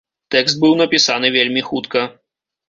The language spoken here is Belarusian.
Тэкст быў напісаны вельмі хутка.